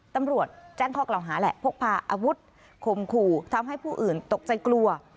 ตำรวจแจ้งข้อกล่าวหาแหละพกพาอาวุธคมขู่ทำให้ผู้อื่นตกใจกลัว